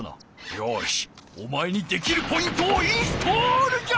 よしおまえにできるポイントをインストールじゃ！